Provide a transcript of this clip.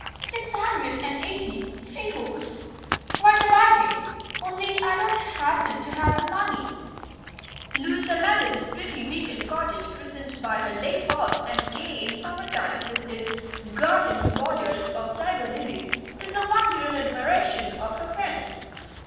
"Six hundred and eighty, freehold. Quite a bargain, only I don't happen to have the money." Louisa Mebbin's pretty week end cottage, christened by her "Les Fauves," and gay in summertime with its garden borders of tiger lilies, is the wonder and admiration of her friends.